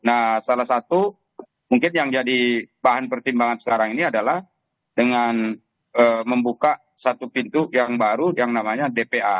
nah salah satu mungkin yang jadi bahan pertimbangan sekarang ini adalah dengan membuka satu pintu yang baru yang namanya dpa